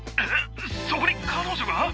そこに彼女が？